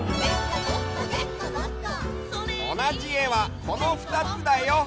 おなじえはこのふたつだよ！